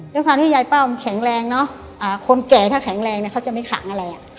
ด้วยความที่ยายเป้ามันแข็งแรงเนอะคนแก่ถ้าแข็งแรงเนี่ยเขาจะไม่ขังอะไรอ่ะ